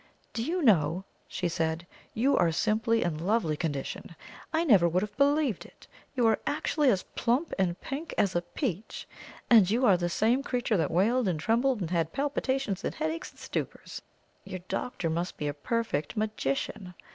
"Do you know," she said, "you are simply in lovely condition! I never would have believed it. You are actually as plump and pink as a peach. And you are the same creature that wailed and trembled, and had palpitations and headaches and stupors! Your doctor must be a perfect magician.